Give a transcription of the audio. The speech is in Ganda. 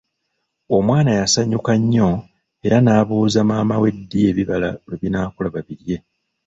Omwana yasanyuka nnyo era n'abuuza maama we ddi ebibala lwe binaakula babirye.